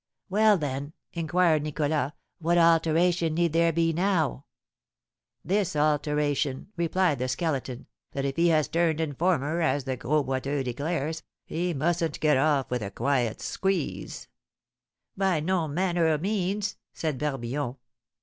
"Well, then," inquired Nicholas, "what alteration need there be now?" "This alteration," replied the Skeleton; "that if he has turned informer, as the Gros Boiteux declares, he mustn't get off with a quiet squeeze." "By no manner o' means!" said Barbillon.